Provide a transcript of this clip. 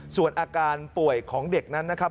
ส่วนอาการป่วยของเด็กนั้นนะครับ